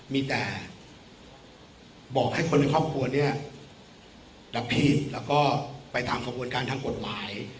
มีแต่บอกให้คนในครอบครัวรับผิดแล้วก็ไปทำข้อมูลการทางกฎหลาย